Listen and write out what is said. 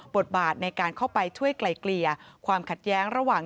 บทบาทในการเข้าไปช่วยไกลเกลี่ยความขัดแย้งระหว่าง